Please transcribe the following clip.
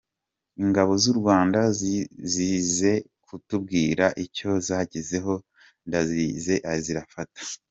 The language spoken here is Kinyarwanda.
Ingabo z’ u Rwanda zize kutubwira icyo zagezeho ndazizeye zirafata.